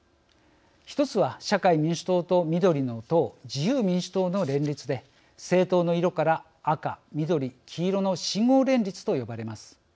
１つは社会民主党と緑の党自由民主党の連立で政党の色から赤、緑、黄色の「信号連立」と呼ばれます。